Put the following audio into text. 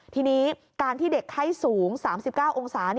ทีนี้การที่เด็กไข้สูง๓๙องศา